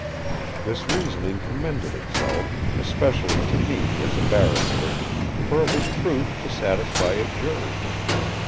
This reasoning commended itself, especially to me as a barrister, for it was proof to satisfy a jury.